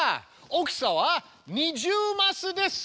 大きさは２０マスです！